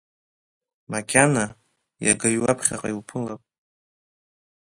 Макьана, иагаҩы уаԥхьаҟа иуԥылап.